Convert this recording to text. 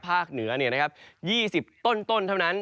ภาคเหนือนะครับ๒๐ต้นเท่านั้น